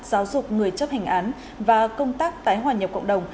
giáo dục người chấp hành án và công tác tái hòa nhập cộng đồng